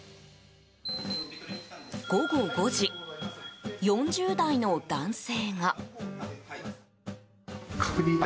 午後５時、４０代の男性が。